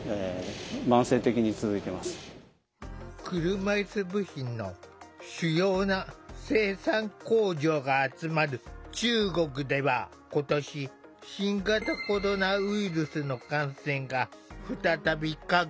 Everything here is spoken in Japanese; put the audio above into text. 車いす部品の主要な生産工場が集まる中国では今年新型コロナウイルスの感染が再び拡大。